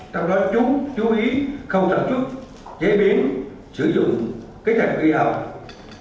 trong đó chúng chú ý khâu sản xuất chế biến sử dụng kế hoạch ghi học